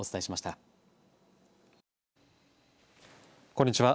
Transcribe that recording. こんにちは。